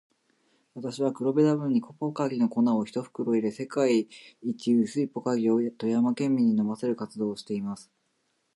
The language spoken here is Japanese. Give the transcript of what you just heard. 私は、黒部ダムにポカリの粉を一袋入れ、世界一薄いポカリを富山県民に飲ませる活動をしています。